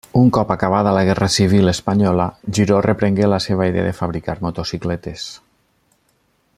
Un cop acabada la guerra civil espanyola, Giró reprengué la seva idea de fabricar motocicletes.